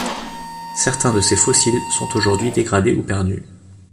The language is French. Certains de ces fossiles sont aujourd'hui dégradés ou perdus.